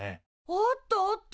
あったあった。